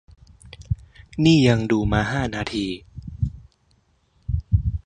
นี่ยังดูมาห้านาที